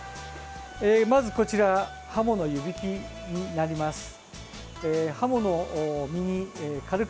まず、こちらハモの湯引きになります。